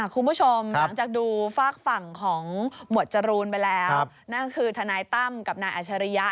คุณผู้ชมหลังจากดูฝากฝั่งของหมวดจรูนไปแล้วนั่นคือทนายตั้มกับนายอัชริยะ